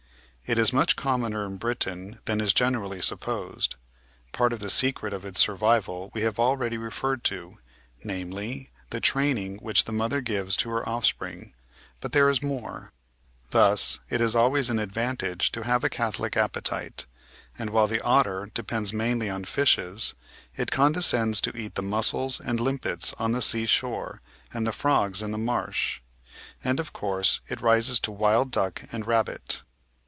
It is much commoner in Britain than is generally supposed. Part of the secret of its survival we have already re ferred to — namely, the training which the mother gives to her offspring, but there is more. Thus it is always an advantage to have a catholic appetite, and while the otter depends mainly on fishes, it condescends to eat the mussels and limpets on the sea shore and the frogs in the marsh ; and, of course, it rises to wild duck and rabbit.